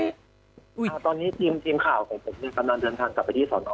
ตอนนี้ทีมทีมข่าวของผมเนี่ยกำลังเดินทางกลับไปที่สอนอ